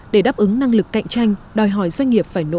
để đáp ứng năng lực cạnh tranh đòi hỏi doanh nghiệp phải nỗ lực